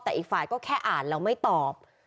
แต่อีกฝ่ายก็แค่อ่านแล้วไม่ตอบ